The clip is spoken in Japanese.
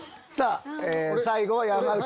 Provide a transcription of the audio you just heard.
最後は山内。